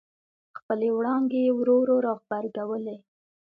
خپلې وړانګې یې ورو ورو را غبرګولې.